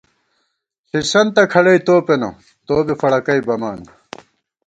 ݪِسَنتہ کھڑَئی تو پېنہ ، تو بی فڑَکَئی بَمان